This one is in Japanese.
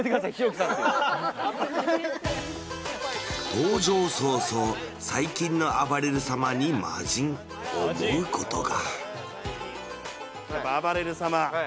登場早々、最近のあばれる様に魔人、思うことが。